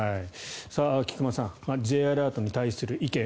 菊間さんＪアラートに対する意見。